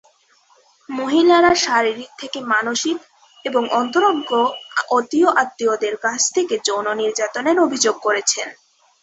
মহিলারা শারীরিক থেকে মানসিক এবং অন্তরঙ্গ অতিয় আত্মীয়দের কাছ থেকে যৌন নির্যাতনের অভিযোগ করেছেন।